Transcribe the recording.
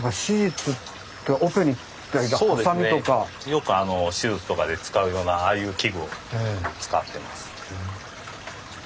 よく手術とかで使うようなああいう器具を使ってます。